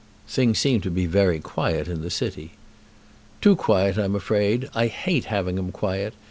"Things seemed to be very quiet in the city." "Too quiet, I'm afraid. I hate having 'em quiet.